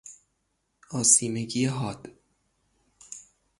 آسیمگی حاد